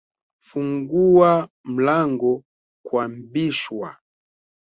funguwa mlango kwabishwa